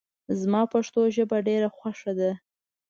زما پښتو ژبه ډېره خوښه ده